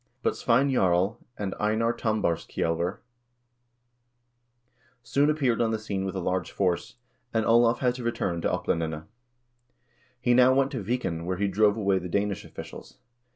But Svein Jarl and Einar Tam barskjselver soon appeared on the scene with a large force, and Olav had to return to Oplandene. He now went to Viken, where he drove away the Danish officials.